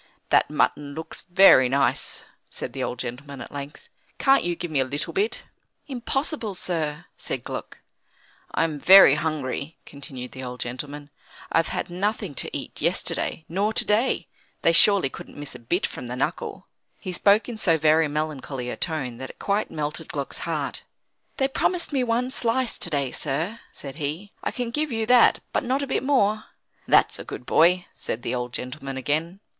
"That mutton looks very nice," said the old gentleman, at length. "Can't you give me a little bit?" "Impossible, sir," said Gluck. "I'm very hungry," continued the old gentleman; "I've had nothing to eat yesterday, nor to day. They surely couldn't miss a bit from the knuckle!" He spoke in so very melancholy a tone that it quite melted Gluck's heart. "They promised me one slice to day, sir," said he; "I can give you that, but not a bit more." "That's a good boy," said the old gentleman again.